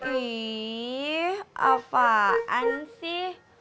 ih apaan sih